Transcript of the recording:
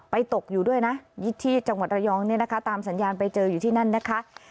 ตกอยู่ด้วยนะที่จังหวัดระยองเนี่ยนะคะตามสัญญาณไปเจออยู่ที่นั่นนะคะ